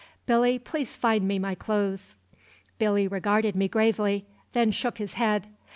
Billy, please find me my clothes." Billy regarded me gravely; then shook his head.